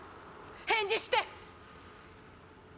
返事して！